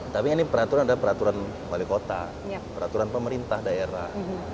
tapi ini peraturan adalah peraturan wali kota peraturan pemerintah daerah